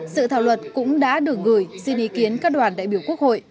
sự thảo luật cũng đã được gửi xin ý kiến các đoàn đại biểu quốc hội